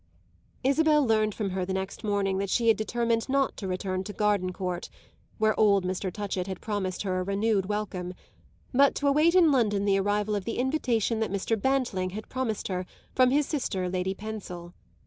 Isabel learned from her the next morning that she had determined not to return to Gardencourt (where old Mr. Touchett had promised her a renewed welcome), but to await in London the arrival of the invitation that Mr. Bantling had promised her from his sister Lady Pensil.